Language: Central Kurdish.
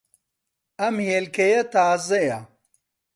ئەم ھێلکەیە تازەیە.